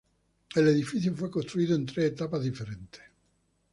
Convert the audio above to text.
El edificio fue construido en tres etapas diferentes.